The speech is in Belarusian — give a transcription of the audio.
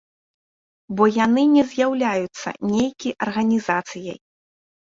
Бо яны не з'яўляюцца нейкі арганізацыяй.